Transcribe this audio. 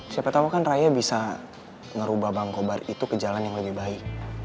siapa tahu kan raya bisa ngerubah bang kobar itu ke jalan yang lebih baik